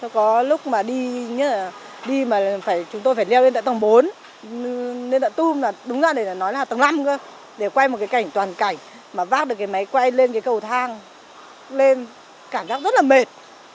có lúc mà đi chúng tôi phải leo lên tầng bốn lên tầng năm để quay một cái cảnh toàn cảnh mà vác được cái máy quay lên cái cầu thang lên cảm giác rất là mệt